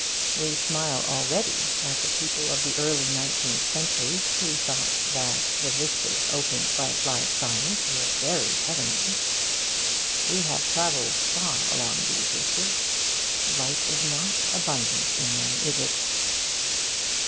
We smile already at the people of the early nineteenth century who thought that the vistas opened by applied science were very heavenly. We have travelled far along those vistas. Light is not abundant in them, is it?